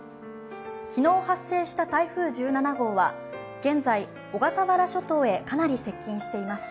昨日発生した台風１７号は、現在、小笠原諸島へかなり接近しています。